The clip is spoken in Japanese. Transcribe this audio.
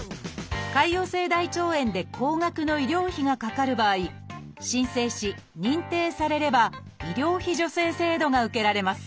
潰瘍性大腸炎で高額の医療費がかかる場合申請し認定されれば医療費助成制度が受けられます。